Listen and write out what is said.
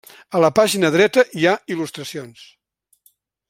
A la pàgina dreta hi ha il·lustracions.